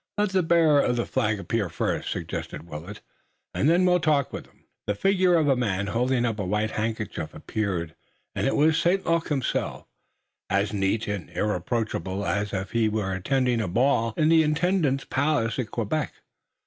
"Let the bearer of the flag appear first," suggested Willet, "and then we'll talk with 'em." The figure of a man holding up a white handkerchief appeared and it was St. Luc himself, as neat and irreproachable as if he were attending a ball in the Intendant's palace at Quebec.